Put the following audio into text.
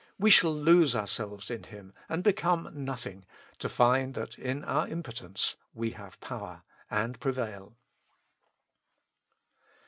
We shall lose ourselves in Him, and become nothing, to find that in our impotence we have power and prevail.